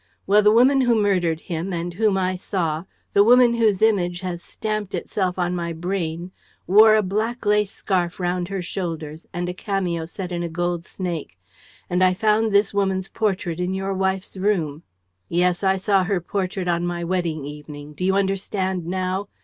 Well, the woman who murdered him and whom I saw, the woman whose image has stamped itself on my brain wore a black lace scarf round her shoulders and a cameo set in a gold snake. And I found this woman's portrait in your wife's room. Yes, I saw her portrait on my wedding evening. Do you understand now?